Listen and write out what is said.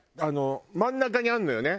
真ん中にあるのよね